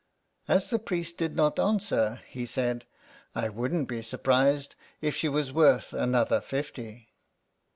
As the priest did not answer, he said, " I wouldn't be surprised if she was worth another fifty."